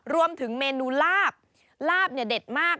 รวมถึงเมนูลาบลาบเนี่ยเด็ดมาก